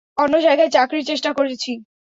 অন্য জায়গায় চাকরির চেষ্টা করেছি!